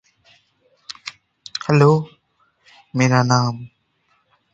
The situation continued to get worse as records were no longer being kept accurately.